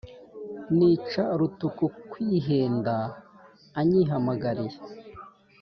nica rutuku ku ihenda anyihamagaliye.